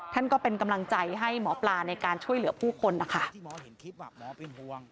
ก็เป็นกำลังใจให้หมอปลาในการช่วยเหลือผู้คนนะคะ